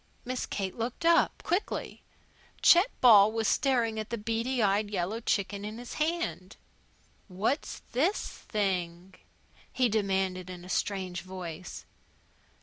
Miss Kate looked up, quickly. Chet Ball was staring at the beady eyed yellow chicken in his hand. "What's this thing?" he demanded in a strange voice.